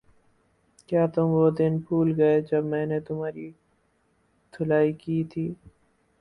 کیا تم وہ دن بھول گئے جب میں نے تمہاری دھلائی کی تھی